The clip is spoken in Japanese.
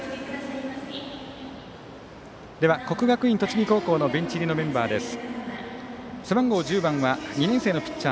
国学院栃木高校のベンチ入りのメンバーです。